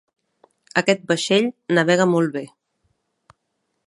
Aquest vaixell navega molt bé.